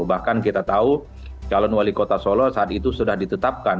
bahkan kita tahu calon wali kota solo saat itu sudah ditetapkan